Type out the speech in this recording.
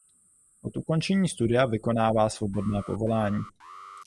Od ukončení studia vykonává svobodné povolání.